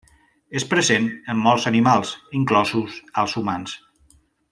És present en molts animals inclosos els humans.